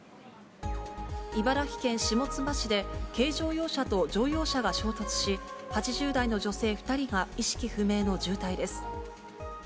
茨城県下妻市で、軽乗用車と乗用車が衝突し、８０代の女性２人が意識不明の重体です。